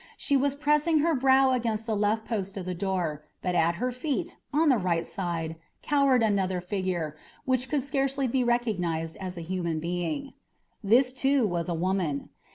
She was pressing her brow against the left post of the door, but at her feet, on the right side, cowered another figure, which could scarcely be recognised as a human being. This, too, was a woman.